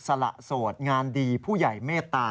สละโสดงานดีผู้ใหญ่เมตตา